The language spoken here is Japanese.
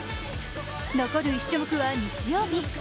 残る１種目は日曜日。